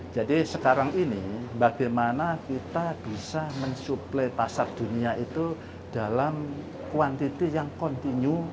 sekarang ini bagaimana kita bisa mensuplai pasar dunia itu dalam kuantiti yang continue